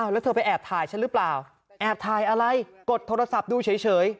แล้วเธอไปแอบถ่ายฉันหรือเปล่าแอบถ่ายอะไรกดโทรศัพท์ดูเฉย